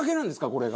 これが。